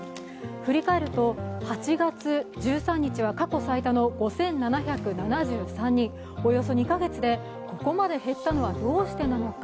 振り返ると８月１３日は過去最多の５７７３人、およそ２カ月でここまで減ったのはどうしてなのか。